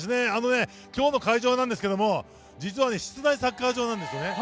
今日の会場なんですけど実は室内サッカー場なんですよね。